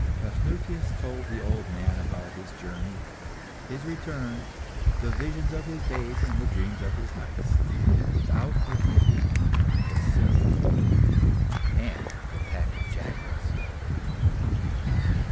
Paphnutius told the old man about his journey, his return, the visions of his days and the dreams of his nights, without omitting the sinful one and the pack of jackals.